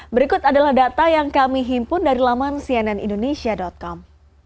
berikut adalah data yang kami himpun dari laman cnnindonesia com